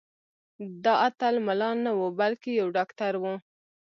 دا اتل ملا نه و بلکې یو ډاکټر و.